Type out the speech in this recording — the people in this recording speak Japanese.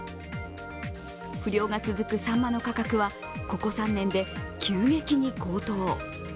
不漁が続くさんまの価格は、ここ３年で急激に高騰。